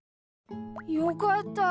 よかった。